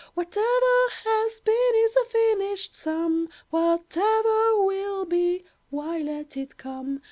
"Whatever has been, is a finished sum; Whatever will be—why, let it come.